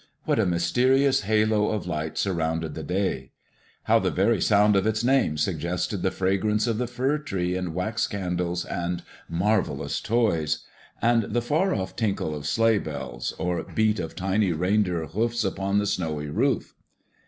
What a mysterious halo of light surrounded the day! How the very sound of its name suggested the fragrance of the fir tree and wax candles and marvelous toys, and the far off tinkle of sleigh bells, or beat of tiny reindeer hoofs upon the snowy roof!